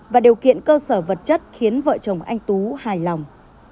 và điều kiện cơ sở vật chất khiến vợ chồng anh tú hài lòng